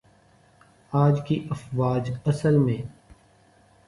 آج کی افواج اصل میں